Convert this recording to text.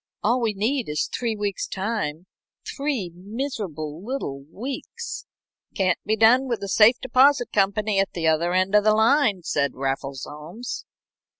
All we need is three weeks' time three miserable little weeks." "Can't be done with a safe deposit company at the other end of the line," said Raffles Holmes.